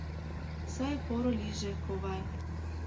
Сай-поро лийже, ковай.